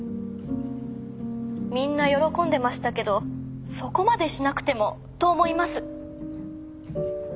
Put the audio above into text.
みんな喜んでましたけどそこまでしなくてもと思います。